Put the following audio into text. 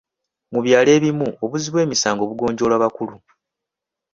Mu byalo ebimu obuzzi bw'emisango bugonjoolwa bakulu.